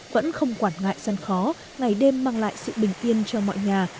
vẫn không quản ngại gian khó ngày đêm mang lại sự bình yên cho mọi nhà